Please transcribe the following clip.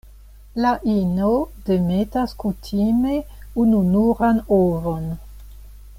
La ino demetas kutime ununuran ovon.